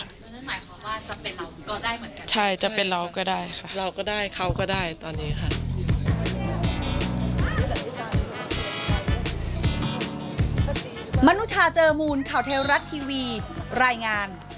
นั่นหมายความว่าจะเป็นเราก็ได้เหมือนกันใช่จะเป็นเราก็ได้ค่ะเราก็ได้เขาก็ได้ตอนนี้ค่ะ